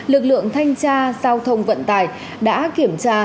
lực lượng thanh tra giao thông vận tải đã kiểm tra